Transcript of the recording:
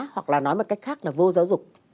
hoặc là nói một cách khác là vô giáo dục